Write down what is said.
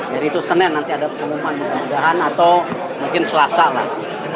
jadi itu senin nanti ada pengumuman kemudahan atau mungkin selasa lah